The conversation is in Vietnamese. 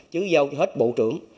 chứ giao cho hết bộ trưởng